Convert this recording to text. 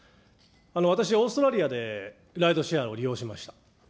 私、オーストラリアでライドシェアを利用しました。